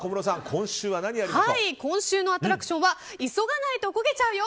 今週のアトラクションは急がないと焦げちゃうよ！